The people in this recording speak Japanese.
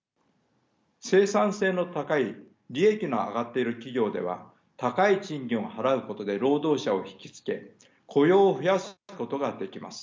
生産性の高い利益の上がっている企業では高い賃金を払うことで労働者を引き付け雇用を増やすことができます。